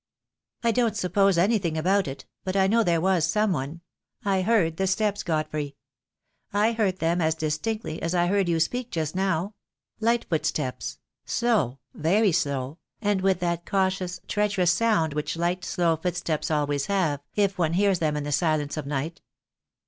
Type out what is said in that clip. "I don't suppose anything about it, but I know there was some one. I heard the steps, Godfrey. I heard them as distinctly as I heard you speak just now; light footsteps — slow, very slow, and with that cautious, treacherous sound which light, slow footsteps always have, if one hears them in the silence of night."